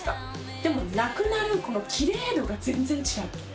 でもなくなるこの奇麗度が全然違う。